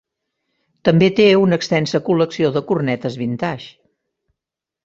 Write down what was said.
També té una extensa col·lecció de cornetes "vintage".